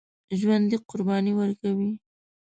ژوندي قرباني ورکوي